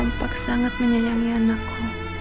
tampak sangat menyayangi anakku